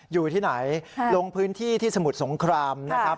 อยู่ที่ไหนลงพื้นที่ที่สมุทรสงครามนะครับ